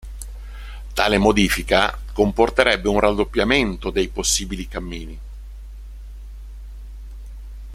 Tale modifica comporterebbe un raddoppiamento dei possibili cammini.